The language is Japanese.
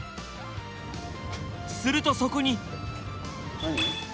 するとそこに。